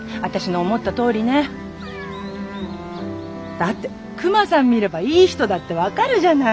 だってクマさん見ればいい人だって分かるじゃない。